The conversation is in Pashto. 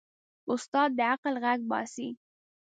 استاد د عقل غږ باسي.